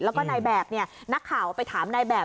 แล้วก็นายแบบเนี่ยนักข่าวไปถามนายแบบ